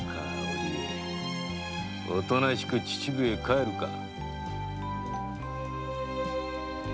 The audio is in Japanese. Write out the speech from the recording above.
おりえおとなしく秩父へ帰るか。